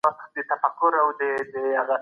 ټول خلګ د کلي نامتو څېړونکي ته ورغلل.